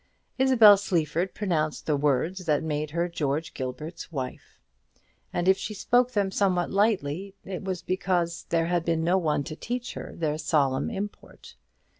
Isabel Sleaford pronounced the words that made her George Gilbert's wife; and if she spoke them somewhat lightly, it was because there had been no one to teach her their solemn import.